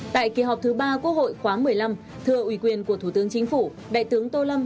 tại kỳ họp thứ ba quốc hội khoáng một mươi năm thưa ủy quyền của thủ tướng chính phủ đại tướng tô lâm